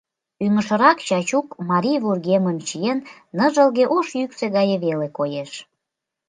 Ӱҥышырак Чачук марий вургемым чиен, ныжылге ош йӱксӧ гае веле коеш.